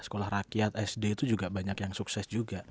sekolah rakyat sd itu juga banyak yang sukses juga